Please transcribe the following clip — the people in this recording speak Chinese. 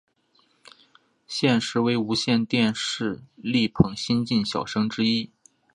现时为无线电视力捧新晋小生之一。